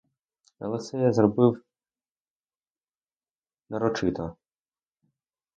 Але це я зробив нарочито.